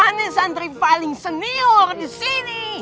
aneh santri paling senior disini